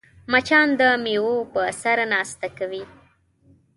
مچان د میوو په سر ناسته کوي